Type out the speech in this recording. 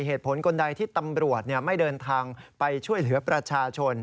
เหตุผลคนใดที่ตำรวจไม่เดินทางไปช่วยเหลือประชาชน